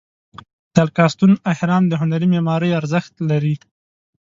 د الکاستون اهرام د هنري معمارۍ ارزښت لري.